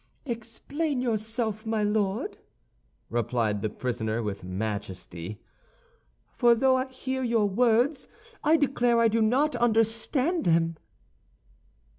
"Explain yourself, my Lord," replied the prisoner, with majesty; "for though I hear your words, I declare I do not understand them."